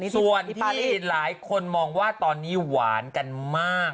ส่วนที่หลายคนมองว่าตอนนี้หวานกันมาก